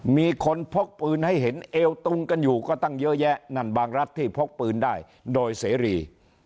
มีคนพกปืนให้เห็นเอวตุงกันอยู่ก็ตั้งเยอะแยะนั่นบางรัฐที่พกปืนได้โดยเสรี